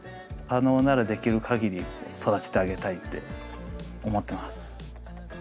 可能ならできる限り育ててあげたいって思ってます。